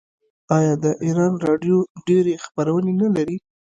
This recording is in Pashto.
آیا د ایران راډیو ډیرې خپرونې نلري؟